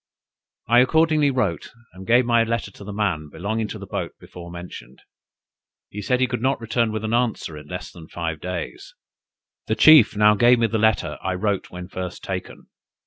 I accordingly wrote, and gave my letter to the man belonging to the boat before mentioned. He said he could not return with an answer in less than five days. The chief now gave me the letter I wrote when first taken.